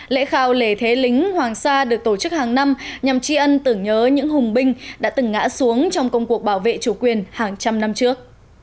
lễ khao lễ thế lính hoàng sa được tổ chức hàng năm nhằm tri ân tưởng nhớ những hùng binh đã từng ngã xuống trong công cuộc bảo vệ chủ quyền hàng trăm năm trước